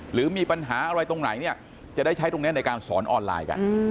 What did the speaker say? หรือมีปัญหาอะไรตรงไหนเนี่ยจะได้ใช้ตรงนี้ในการสอนออนไลน์กัน